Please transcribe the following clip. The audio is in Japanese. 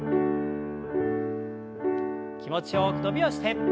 気持ちよく伸びをして。